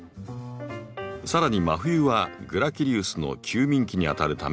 さらに真冬はグラキリウスの休眠期にあたるため断水。